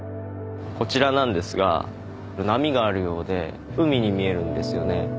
こちらなんですが波があるようで海に見えるんですよね。